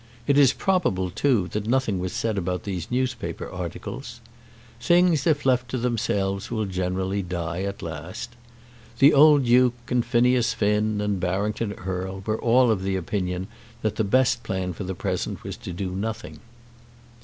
It is probable, too, that nothing was said about these newspaper articles. Things if left to themselves will generally die at last. The old Duke and Phineas Finn and Barrington Erle were all of opinion that the best plan for the present was to do nothing.